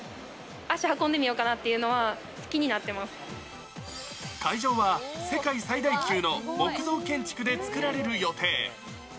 足運んでみようかなっていう会場は、世界最大級の木造建築で作られる予定。